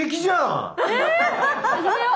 え⁉始めよう！